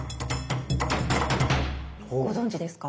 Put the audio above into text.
ご存じですか？